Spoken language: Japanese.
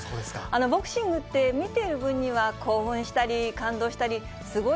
ボクシングって、見ている分には興奮したり、感動したり、すごい